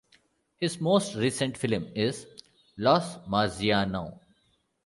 His most recent film is "Los Marziano".